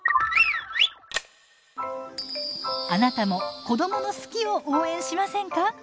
あなたも子どもの「好き」を応援しませんか？